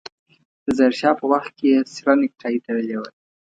د ظاهر شاه په وخت کې يې سره نيکټايي تړلې وه.